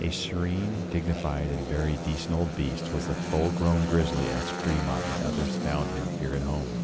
A serene, dignified and very decent old beast was the full grown grizzly as Fremont and others found him here at home.